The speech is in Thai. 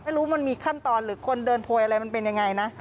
มันมีขั้นตอนหรือคนเดินโพยอะไรมันเป็นยังไงนะ